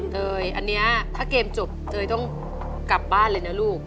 เตยอันนี้ถ้าเกมจบเตยต้องกลับบ้านเลยนะลูก